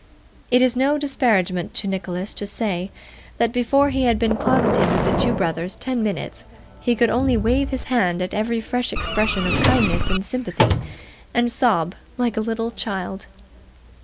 It is no disparagement to Nicholas to say, that before he had been closeted with the two brothers ten minutes, he could only wave his hand at every fresh expression of kindness and sympathy, and sob like a little child.